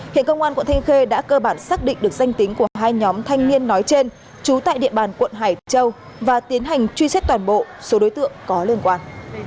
hiện công an quận thanh khê đã cơ bản xác định được danh tính của hai nhóm thanh niên nói trên trú tại địa bàn quận hải châu và tiến hành truy xét toàn bộ số đối tượng có liên quan